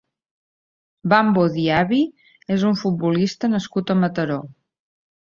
Bambo Diaby és un futbolista nascut a Mataró.